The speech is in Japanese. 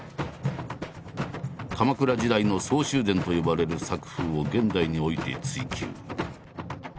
鎌倉時代の「相州伝」と呼ばれる作風を現代において追求。